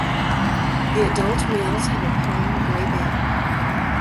The adult males have a plain grey back.